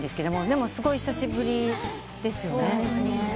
でもすごい久しぶりですよね。